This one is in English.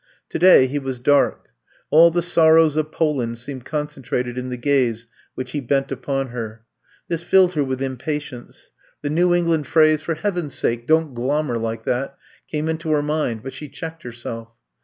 Today he was dark; all the sorrows of Poland seemed concentrated in the gaze which he bent upon her. This filled her with impatience. The New England I'VE COMB TO STAY 159 phrase: "For heaven ^s sake, don't glom mer like that!" came into her mind, but she checked herself.